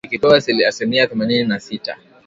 ikipewa asilimia themanini na sita